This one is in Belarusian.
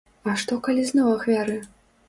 А што, калі зноў ахвяры?